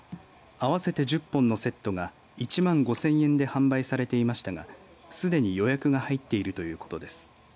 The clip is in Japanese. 合わせて１０本のセットが１万５０００円で販売されていましたがすでに予約が入っているということです。